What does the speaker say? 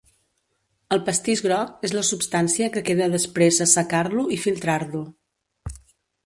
El pastís groc és la substància que queda després assecar-lo i filtrar-lo.